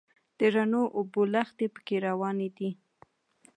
د رڼو اوبو لښتي په کې روان دي.